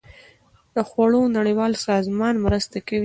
د خوړو نړیوال سازمان مرسته کوي.